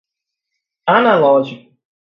analógico